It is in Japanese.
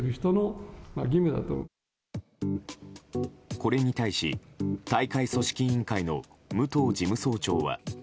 これに対し大会組織委員会の武藤事務総長は。